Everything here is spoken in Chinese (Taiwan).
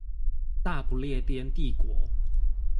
大不列顛帝國